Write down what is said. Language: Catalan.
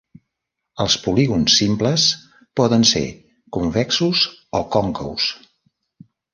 Els polígons simples poden ser convexos o còncaus.